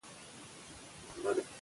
ولې ځینې ښځې سور چرګ غواړي؟